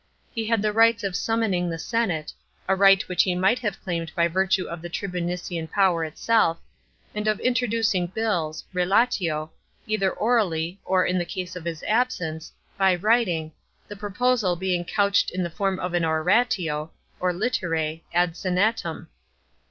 He had the rights of summoning the senate — a right which he might have claimed by virtue of the tribunician power itself, — and of intro ducing bills (relatio) either orally or, in case of his absence, by writing, the proposal being couched in the form of an oratio (or litterse) ad senatum.